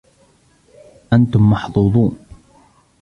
أنتم محظوظون.